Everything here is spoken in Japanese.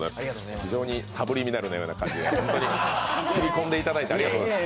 非常にサブリミナルのような感じで刷り込んでいただいてありがとうございます。